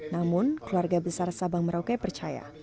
namun keluarga besar sabang merauke percaya